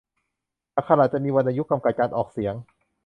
อักขระจะมีวรรณยุกต์กำกับการออกเสียง